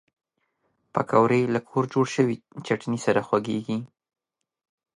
پکورې له کور جوړ شوي چټني سره خوږېږي